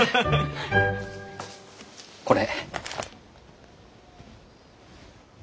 これ。